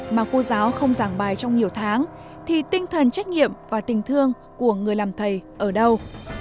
mà cô giáo không giảng bài trong nhiều tháng thì tinh thần trách nhiệm và tình thương của người làm thầy ở đâu